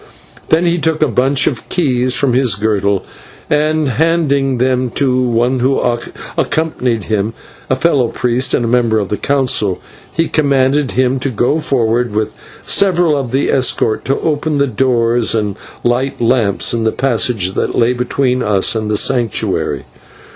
Then he took a bunch of keys from his girdle, and, handing them to one who accompanied him a fellow priest and a member of the Council he commanded him to go forward with several of the escort, to open the doors and light lamps in the passages that lay between us and the Sanctuary.